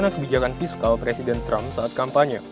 karena kebijakan fiskal presiden trump saat kampanye